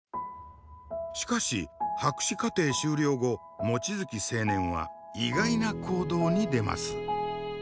しかし博士課程修了後望月青年は意外な行動に出ます。